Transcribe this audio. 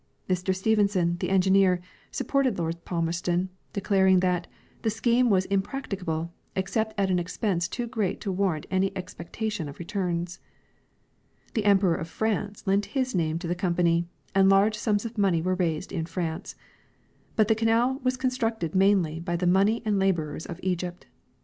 Mr Stevenson, the engineer, supported Lord Palmerston, declaring that " The scheme Avas impracticable, except at an expense too great to Avarrant any expectation of returns." The emperor of France lent his name to the company, and large sums of money were raised in France ; but the canal Avas constructed mainly by the money and laborers of Egypt.